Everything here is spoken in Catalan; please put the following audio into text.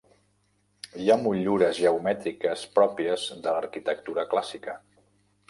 Hi ha motllures geomètriques pròpies de l'arquitectura clàssica.